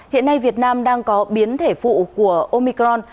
hiện nay việt nam đang có biến thể phụ của omicron